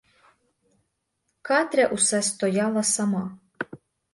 Катря усе стояла сама.